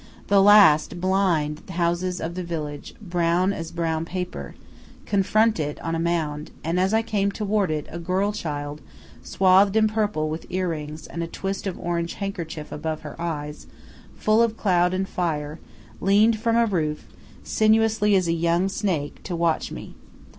The last blind houses of the village, brown as brown paper, confront it on a mound, and as I came toward it a girl child swathed in purple with ear rings, and a twist of orange handkerchief above her eyes, full of cloud and fire, leaned from a roof, sinuously as a young snake, to watch me.